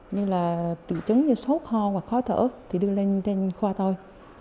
như là trị chứng như sốt ho và khó thở thì đưa lên trên khoa tôi